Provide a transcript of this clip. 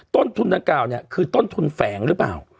ต้นทุนดังกล่าวเนี่ยคือต้นทุนแฝงหรือเปล่า